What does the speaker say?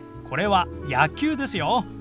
これは「野球」ですよ。